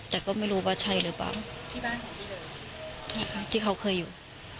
แต่ก็ไม่รู้ว่าใช่หรือเปล่าที่บ้านของพี่เลยที่เขาเคยอยู่